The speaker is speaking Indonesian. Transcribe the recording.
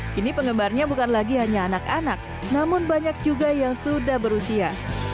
kini penggemarnya bukan lagi hanya anak anak namun banyak juga yang sudah berusia